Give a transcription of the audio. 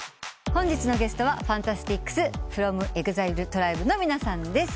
本日のゲストはＦＡＮＴＡＳＴＩＣＳｆｒｏｍＥＸＩＬＥＴＲＩＢＥの皆さんです。